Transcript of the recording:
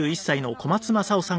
小松政夫さん